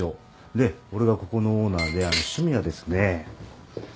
で俺がここのオーナーで趣味はですね。